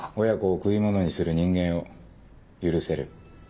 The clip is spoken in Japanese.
親子を食い物にする人間を許せる？